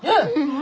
何？